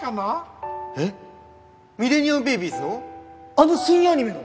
あの深夜アニメの？